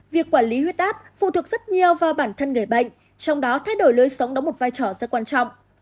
việc quản lý huyết áp phụ thuộc rất nhiều vào bản thân người bệnh trong đó thay đổi lối sống đóng một vai trò rất quan trọng